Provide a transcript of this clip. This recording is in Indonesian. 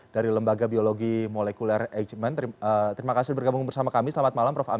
dari lembaga biologi molekuler agement